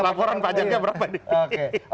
laporan pajaknya berapa nih